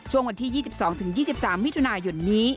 ช่วงวันที่๒๒๒๓มิถุนายุ่นนี้